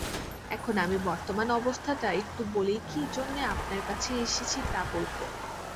এখন আমি বর্তমান অবস্থাটা একটু বলেই কি জন্যে আপনার কাছে এসেছি তা বলব।